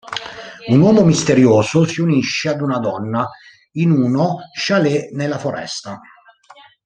Un uomo misterioso si unisce a una donna in uno chalet nella foresta.